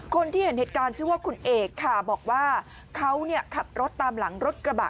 คนที่เห็นเหตุการณ์ชื่อว่าคุณเอกค่ะบอกว่าเขาขับรถตามหลังรถกระบะ